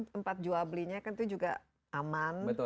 tempat jual belinya kan itu juga aman